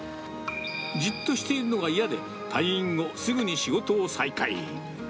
じっとしているのが嫌で、退院後、すぐに仕事を再開。